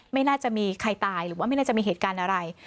ไม่น่าจะมีใครตายหรือว่าไม่น่าจะมีเหตุการณ์อะไร